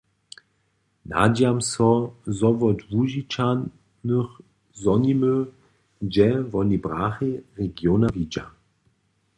Nadźijam so, zo wot Łužičanow zhonimy, hdźe woni brachi regiona widźa.